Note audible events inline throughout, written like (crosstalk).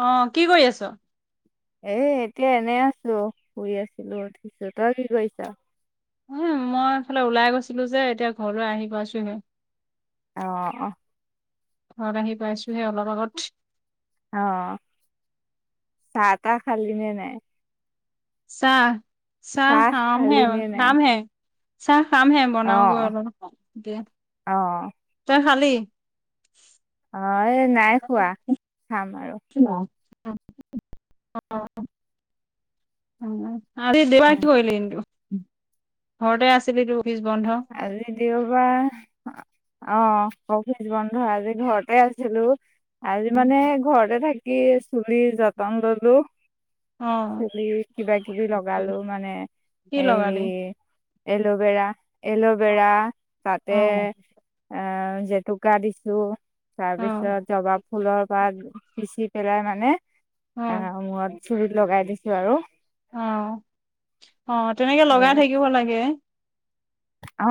অ কি কৰি আছ এ এতিয়া এনে আছো শুই আছিলো উঠিছো তই কি কৰিছ মইয়ো মই এইফালে ওলাই গৈছিলো যে এতিয়া ঘৰলৈ আহি পাইছোহে অ ঘৰত আহি পাইছোহে অলপ আগত অ চাহ তাহ খালি নে নাই চাহ চাহ খাম খালি হে নে নাই? খাম হে চাহ খামহে অ বনাওগৈ অলপ এতিয়া অ তই খালি অ এই নাই খোৱা খাম আৰু (unintelligible) আজি দেওবাৰ উম, কি কৰিলি দিনটো ঘৰতে আছিলিটো অফিচ বন্ধ আজি দেওবাৰ অ অফিচ বন্ধ আজি ঘৰতে আছিলো আজি মানে ঘৰতে থাকি চুলিৰ যতন ললো অ', চুলিত কিবা কিবি লগালো মানে কি হেৰি। লগালি? এল'ভেৰা, অ', এল'ভেৰা তাতে অ', আহ জেতুকা দিছোঁ তাৰপিছত অ', জোৱা ফুলৰ পাত পিচি পেলাই মানে আ মূৰত চুলিত লগাই দিছোঁ আৰু। অ, অ তেনেকে লগাই থাকিব লাগে। অ।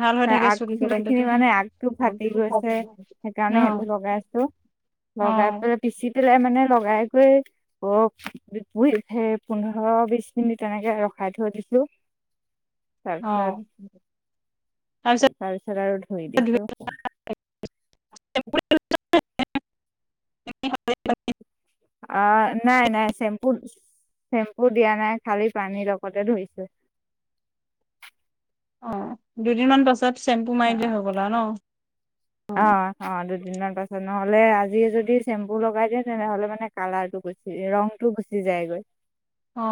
ভাল হৈ (unintelligible) থাকে আগ চুলি কেইডাল খিনি তেতিয়া। মানে আগটো ফাটি গৈছে সেইকাৰণে সেইটো অ', লগাই আছোঁ। লগাই অ', পেলাই পিচি পেলাই মানে লগাই কৰি (unintelligible) পোন্ধৰ বিশ মিনিট এনেকে ৰখাই থৈ দিছোঁ। (inaudible) অ'। তাৰপিছত তাৰ পিছত আৰু ধুই দিছোঁ। অ নাই, নাই চেম্পু চেম্পু দিয়া নাই খালি পানীৰ লগতে ধুইছোঁ। অ দুদিনমান পাছত চেম্পু অ মাৰি দিলে হৈ গ'ল আৰু নহ। অ, অ দুদিনমান পাছত নহ'লে আজিয়ে যদি চেম্পু লগাই দিয়ে তেনেহলে মানে। কালাৰ টো গুচি ৰং টো গুচি যায়গৈ। অ।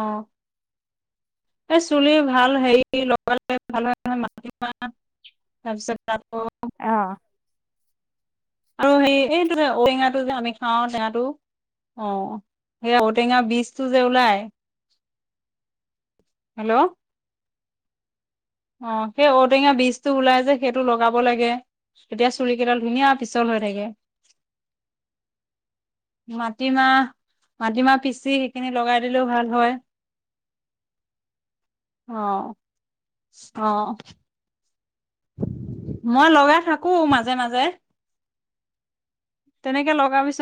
এই চুলি ভাল হেৰি লগালে ভাল হয়। (unintelligible) অ। আৰু (unintelligible) এইটো ঔ টেঙাটো যে আমি খাওঁ টেঙাটো। অ সেইয়া ঔ টেঙাৰ বীজটো যে ওলাই। হেল্ল'। অ সেই ঔ টেঙাৰ বীজটো ওলাই যে সেইটো লগাব লাগে। এতিয়া চুলি কেইডাল ধুনীয়া পিছল হৈ থাকে। (inaudible) মাটিমাহ, মাটিমাহ পিচি সেইখিনি লগাই দিলেও ভাল হয়। অ। অ। মই লগাই থাকো মাজে, মাজে। তেনেকে লগাবিচোন।